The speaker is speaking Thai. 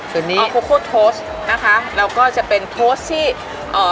ส่วนนี้โคโค้ชนะคะแล้วก็จะเป็นโพสต์ที่เอ่อ